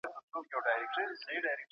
د سیمو شکایتونه څوک اوري؟